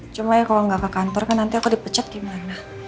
cuma ya kalau nggak ke kantor kan nanti aku dipecat gimana